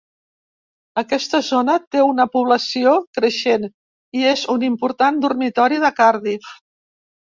Aquesta zona té una població creixent i és un important "dormitori" de Cardiff.